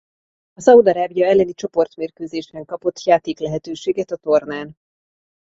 A Szaúd-Arábia elleni csoportmérkőzésen kapott játéklehetőséget a tornán.